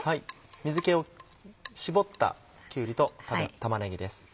水気を絞ったきゅうりと玉ねぎです。